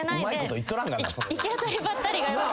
うまいこといっとらんがな。なあ。